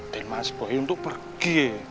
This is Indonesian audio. dan mas boy untuk pergi